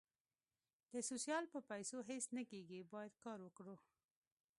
د سوسیال په پېسو هیڅ نه کېږي باید کار وکړو